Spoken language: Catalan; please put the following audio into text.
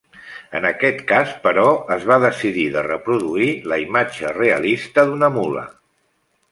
En aquest cas, però, es va decidir de reproduir la imatge realista d’una mula.